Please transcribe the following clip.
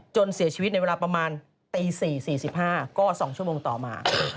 เสียชีวิตในเวลาประมาณตี๔๔๕ก็๒ชั่วโมงต่อมา